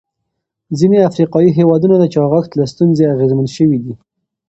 ځینې افریقایي هېوادونه د چاغښت له ستونزې اغېزمن شوي دي.